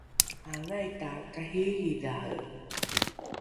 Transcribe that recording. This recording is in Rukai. aangai takariiridhare?